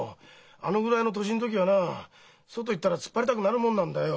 あのぐらいの年の時はな外行ったら突っ張りたくなるもんなんだよ。